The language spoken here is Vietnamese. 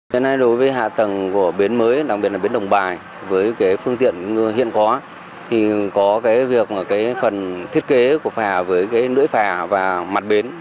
đối với hạ tầng của bến mới đặc biệt là bến đông bài với phương tiện hiện có thì có việc phần thiết kế của phà với nưỡi phà và mặt bến